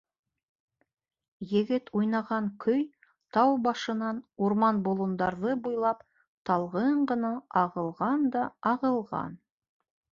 Егет уйнаған көй тау башынан, урман-болондарҙы буйлап талғын ғына ағылған да ағылған.